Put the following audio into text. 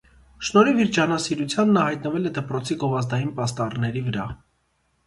Շնորհիվ իր ջանասիրության, նա հայտնվել է դպրոցի գովազդային պաստառների վրա։